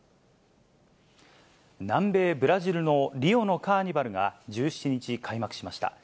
南米ブラジルのリオのカーニバルが１７日、開幕しました。